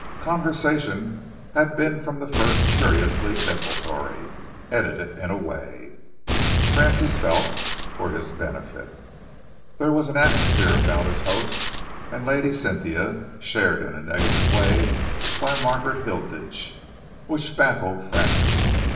Conversation had been from the first curiously desultory, edited, in a way, Francis felt, for his benefit. There was an atmosphere about his host and Lady Cynthia, shared in a negative way by Margaret Hilditch, which baffled Francis.